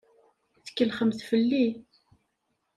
Tkellxemt fell-i.